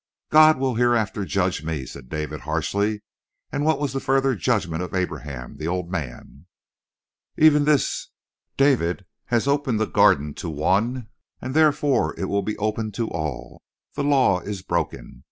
"God will hereafter judge me," said David harshly. "And what was the further judgment of Abraham, the old man?" "Even this: 'David has opened the Garden to one and therefore it will be opened to all. The law is broken.